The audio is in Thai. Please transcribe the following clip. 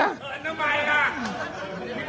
เอาอันที่น้ำไบล่ะ